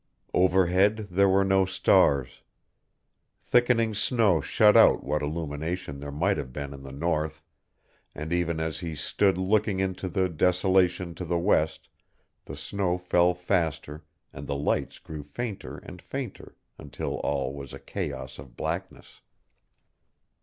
Overhead there were no stars; thickening snow shut out what illumination there might have been in the north, and even as he stood looking into the desolation to the west the snow fell faster and the lights grew fainter and fainter until all was a chaos of blackness.